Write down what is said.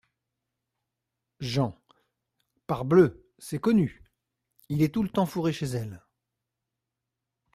Jean. — Parbleu ! c’est connu ! il est tout le temps, fourré chez elle…